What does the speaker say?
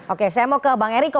oke saya mau ke bang eriko